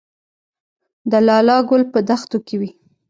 د لاله ګل په دښتو کې وي